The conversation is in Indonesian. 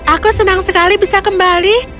aku senang sekali bisa kembali